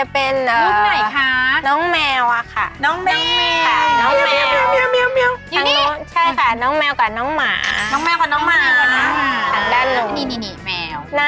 เป็นด้านไหนคะฟุตแอป